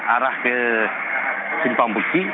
arah ke simpang besi